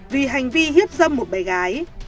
vì hành vi hiếp dâm một bè gái